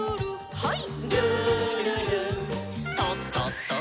はい。